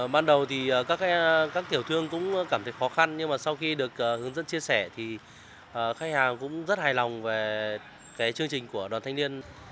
ban đầu thì các tiểu thương cũng cảm thấy khó khăn nhưng mà sau khi được hướng dẫn chia sẻ thì khách hàng cũng rất hài lòng về cái chương trình của đoàn thanh niên